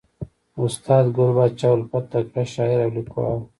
استاد ګل پاچا الفت تکړه شاعر او لیکوال ؤ.